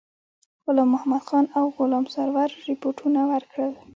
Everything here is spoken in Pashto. غلام محمدخان او غلام سرور رپوټونه ورکړل.